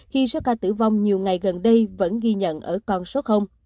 khi số ca tử vong nhiều ngày gần đây vẫn ghi nhận ở con số